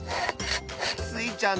スイちゃん